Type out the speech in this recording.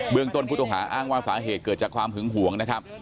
เรื่องต้นผู้ต้องหาอ้างว่าสาเหตุเกิดจากความหึงห่วงนะครับ